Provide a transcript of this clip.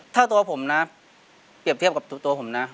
ถ้าตัวผมนะเปรียบเทียบกับตัวผมนะ